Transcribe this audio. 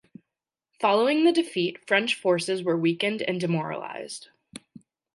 Following the defeat, French forces were weakened and demoralized.